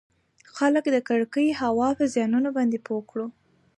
خلــک د ککـړې هـوا پـه زيـانونو بانـدې پـوه کـړو٫